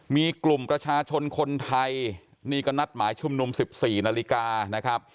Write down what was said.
มีกลุ่มประชาชนคนไทยนี่ก็นัดหมายชุมนุม๑๔นาฬิกานะครับ